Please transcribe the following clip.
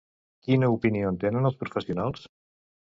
Quina opinió en tenen els professionals?